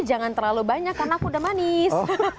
jangan terlalu banyak karena aku udah manis